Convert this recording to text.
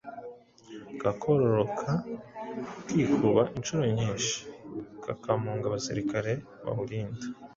kakororoka kikuba inshuro nyinshi, kakamunga abasirikare bawurinda.